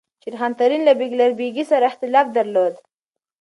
شېرخان ترین له بیګلربیګي سره اختلاف درلود.